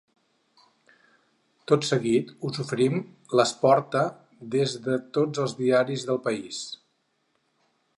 Tot seguit us oferim les porta des de tots els diaris del país.